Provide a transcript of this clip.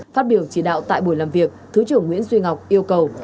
phát biểu chỉ đạo tại buổi làm việc thứ trưởng nguyễn duy ngọc yêu cầu